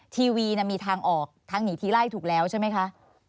ทีวีมีทางออกทางหนีทีไล่ถูกแล้วใช่ไหมคะ